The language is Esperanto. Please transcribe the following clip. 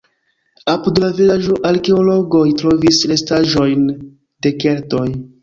Apud la vilaĝo arkeologoj trovis restaĵojn de keltoj.